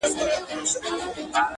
ولي مي هره شېبه. هر ساعت په غم نیسې.